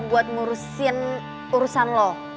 buat ngurusin urusan lo